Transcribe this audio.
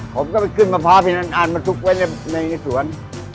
ผมก็ไปขึ้นมะพร้าพี่นั้นอ่านมาทุกไว้ในสวน